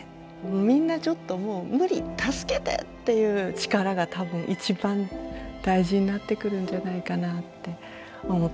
みんなちょっともう無理助けてっていう力が多分一番大事になってくるんじゃないかなって思っています。